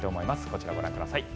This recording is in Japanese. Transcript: こちら、ご覧ください。